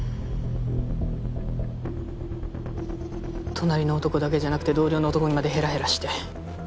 隣の男だけじゃなくて同僚の男にまでヘラヘラして。